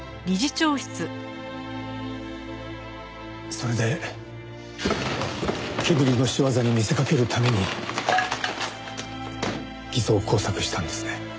それでけむりの仕業に見せかけるために偽装工作したんですね？